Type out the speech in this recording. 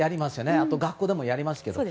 あと学校でもやりますけども。